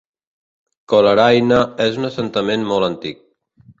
Coleraine és un assentament molt antic.